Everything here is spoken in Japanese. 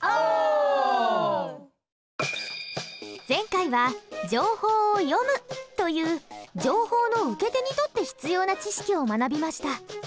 前回は「情報を読む」という情報の受け手にとって必要な知識を学びました。